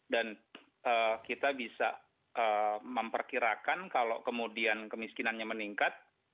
dan kita bisa memperkirakan kalau kemudian kemiskinannya meningkat